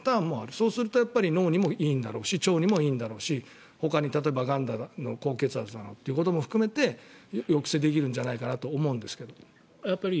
そうすると脳にもいいんだろうし腸にもいいんだろうしほかにも、例えばがんだの高血圧だのを含めて抑制できるんじゃないかなと思うんですけど。